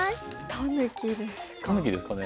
タヌキですかね。